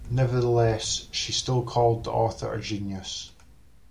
Nevertheless, she still called the author a genius.